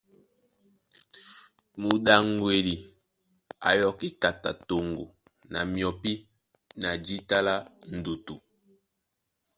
Mudaŋgwedi a yɔkí kata toŋgo na myɔpí na jíta lá ndutu.